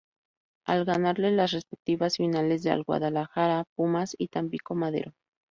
Al ganarle las respectivas finales al Guadalajara, Pumas y Tampico-Madero.